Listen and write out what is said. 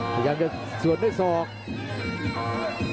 พยายามจะสวนด้วยศอก